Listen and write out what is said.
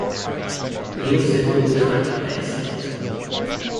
He also called the track "excellent".